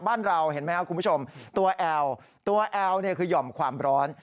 บ้านเราเห็นไหมครับคุณผู้ชมตัวแอลตัวแอลเนี่ยคือห่อมความร้อน